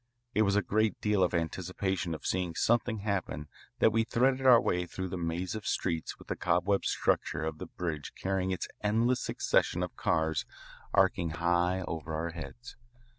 It was with a great deal of anticipation of seeing something happen that we threaded our way through the maze of streets with the cobweb structure of the bridge carrying its endless succession of cars arching high over our heads.